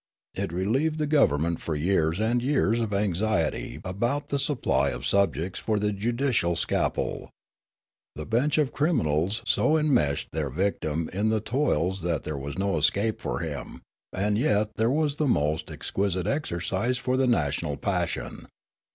It relieved the govern ment for years and years of anxiety about the supply of subjects for the judicial scalpel. The bench of crim 264 Riallaro inals so enmeshed their victim in the toils that there was no escape for him, and 3'et there was the most ex quisite exercise for the national passion.